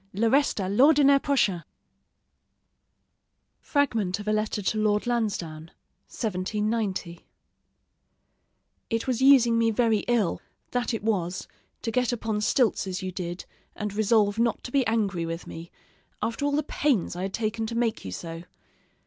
le reste à l'ordinaire prochain. FRAGMENT OF A LETTER TO LORD LANSDOWNE (1790) It was using me very ill, that it was, to get upon stilts as you did, and resolve not to be angry with me, after all the pains I had taken to make you so.